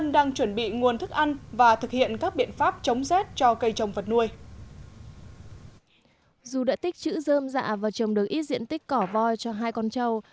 dù đã tích chữ dơm dạ và trồng được ít diện tích cỏ voi cho hai con trâu